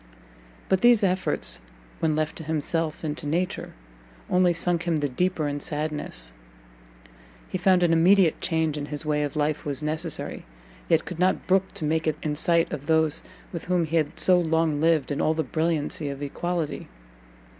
But these efforts, when left to himself and to nature, only sunk him the deeper in sadness; he found an immediate change in his way of life was necessary, yet could not brook to make it in sight of those with whom he had so long lived in all the brilliancy of equality.